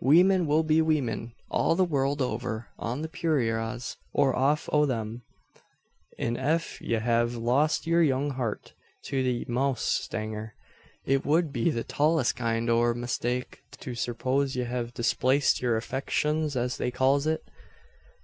Weemen will be weemen all the world over on the purayras or off o' them; an ef ye have lost yur young heart to the mowstanger, it wud be the tallest kind o' a mistake to serpose ye hev displaced yur affeckshuns, as they calls it.